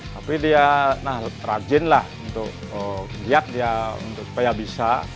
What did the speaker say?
tapi dia rajinlah untuk lihat dia supaya bisa